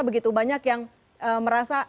begitu banyak yang merasa